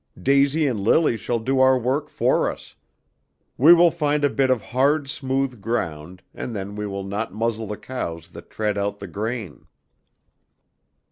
Daisy and Lily shall do our work for us. We will find a bit of hard, smooth ground, and then we will not muzzle the cows that tread out the grain."